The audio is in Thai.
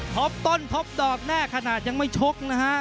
ต้นทบดอกแน่ขนาดยังไม่ชกนะฮะ